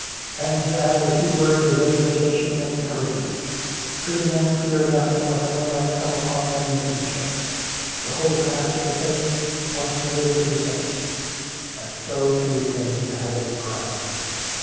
And he added a few words of exhortation and encourage ment, bidding them fear nothing whatever might come upon them in the future; to hold fast to the faith once delivered to the saints, and so to attain the heavenly crown.